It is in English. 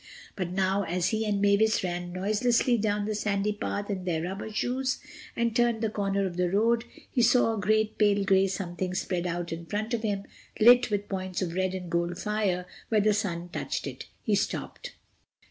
But now as he and Mavis ran noiselessly down the sandy path in their rubber shoes and turned the corner of the road, he saw a great pale gray something spread out in front of him, lit with points of red and gold fire where the sun touched it. He stopped.